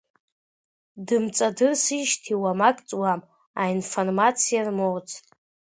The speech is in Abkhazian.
Дымҵадырсижьҭеи уамак ҵуам, аинформациа рмоуцт…